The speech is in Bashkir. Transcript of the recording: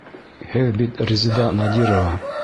Һеҙ бит Резеда Надирова!